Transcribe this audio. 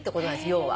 要は。